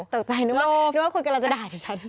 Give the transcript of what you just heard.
ตกใจนึกว่าคุณกำลังจะด่าดิฉัน